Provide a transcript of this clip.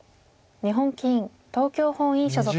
日本棋院東京本院所属。